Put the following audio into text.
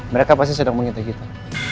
mereka pasti sedang mengintih kita